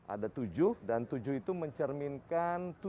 ada tujuh dan tujuh itu mencerminkan tujuh